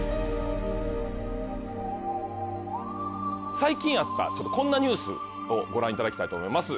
最近あったこんなニュースをご覧いただきたいと思います。